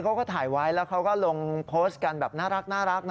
เขาก็ถ่ายไว้แล้วเขาก็ลงโพสต์กันแบบน่ารักนะ